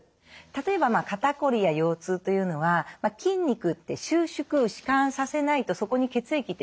例えば肩こりや腰痛というのは筋肉って収縮弛緩させないとそこに血液って流れないんですよね。